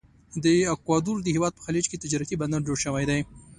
د اکوادور د هیواد په خلیج کې تجارتي بندر جوړ شوی دی.